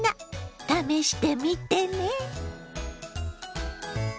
試してみてね。